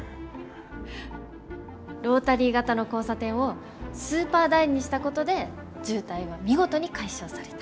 ロータリー型の交差点をスーパー楕円にしたことで渋滞は見事に解消された。